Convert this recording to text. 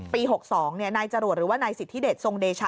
ปี๖๒นี่นายจรวรรค์หรือว่านายสิทธิเดชทรงเดชะ